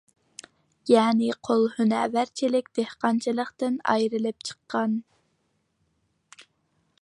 يەنى قول ھۈنەرۋەنچىلىك، دېھقانچىلىقتىن ئايرىلىپ چىققان.